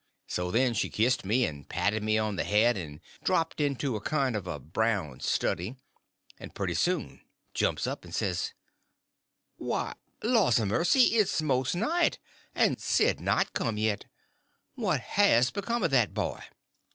So then she kissed me, and patted me on the head, and dropped into a kind of a brown study; and pretty soon jumps up, and says: "Why, lawsamercy, it's most night, and Sid not come yet! What has become of that boy?"